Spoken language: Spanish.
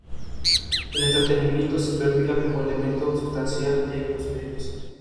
La Acrópolis fortificada sirvió como ciudadela para Pisístrato.